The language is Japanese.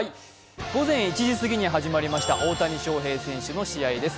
午前１時過ぎに始まりました大谷翔平選手の試合です。